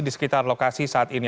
di sekitar lokasi saat ini